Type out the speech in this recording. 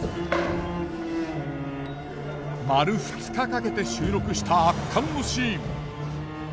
丸２日かけて収録した圧巻のシーン。